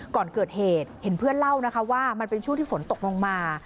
ก่อนเกิดเหตุเห็นเพื่อนเล่านะคะว่ามันเป็นช่วงที่ฝนตกลงมา